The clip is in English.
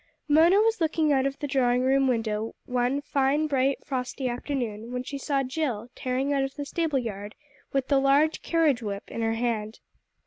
Mona was looking out of the drawing room window one fine bright frosty afternoon, when she saw Jill tearing out of the stable yard with the large carriage whip in her hand.